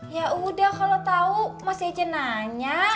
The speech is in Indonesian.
yaudah kalo tau emak saja nanya